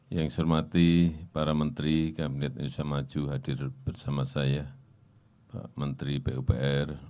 yang saya hormati para menteri kabinet indonesia maju hadir bersama saya pak menteri pupr